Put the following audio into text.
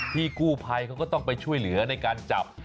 พี่กู้ภัยเขาก็ต้องไปช่วยเหลือในการจับ